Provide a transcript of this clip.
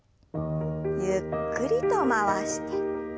ゆっくりと回して。